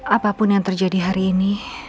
apapun yang terjadi hari ini